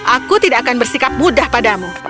aku tidak akan bersikap mudah padamu